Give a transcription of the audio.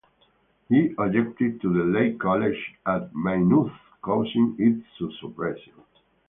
He objected to the Lay College at Maynooth causing its suppression.